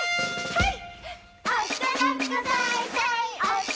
はい！